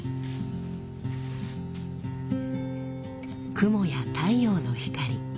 雲や太陽の光。